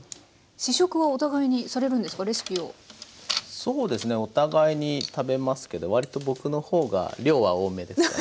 そうですねお互いに食べますけど割と僕の方が量は多めです。